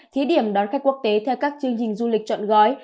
thí điểm đón khách quốc tế theo các chương trình du lịch chọn gói